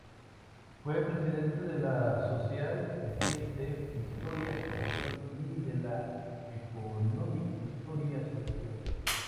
Fue presidente de la "Social Science History Association" y de la "Economic History Association".